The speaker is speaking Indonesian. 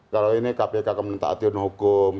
kalau ini kpk kemenang tak hati untuk hukum